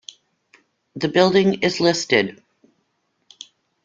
The building is listed.